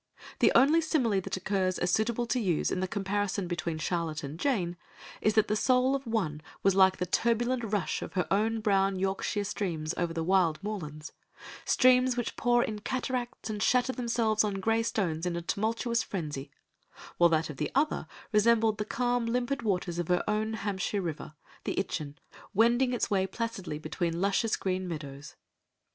The only simile that occurs as suitable to use in the comparison between Charlotte and Jane is that the soul of the one was like the turbulent rush of her own brown Yorkshire streams over the wild moorlands—streams which pour in cataracts and shatter themselves on great grey stones in a tumultuous frenzy, while that of the other resembled the calm limpid waters of her own Hampshire river, the Itchen, wending its way placidly between luscious green meadows.